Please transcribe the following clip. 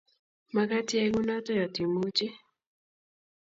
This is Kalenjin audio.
Magaat iyaay kunoto yotimuchi